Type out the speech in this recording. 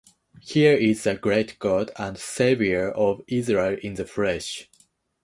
Here is the great God and Saviour of Israel in the flesh...